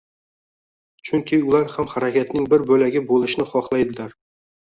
Chunki ular ham harakatning bir boʻlagi boʻlishni xohlaydilar.